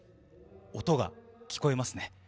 音が聞こえますね。